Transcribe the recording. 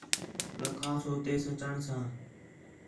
لَکھاس ہو تے سٹݨ ساں